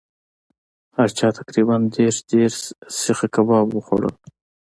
هر چا تقریبأ دېرش دېرش سیخه کباب وخوړلو.